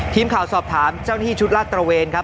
ทีมข่าวสอบถามเจ้าหน้าที่ชุดลาดตระเวนครับ